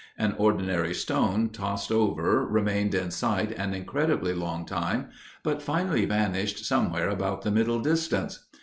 An ordinary stone tossed over remained in sight an incredibly long time, but finally vanished somewhere about the middle distance.